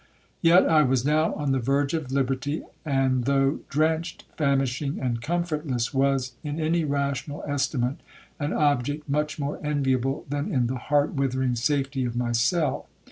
Yet I was now on the verge of liberty, and though drenched, famishing, and comfortless, was, in any rational estimate, an object much more enviable than in the heart withering safety of my cell.